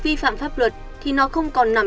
vi phạm pháp luật thì nó không còn nằm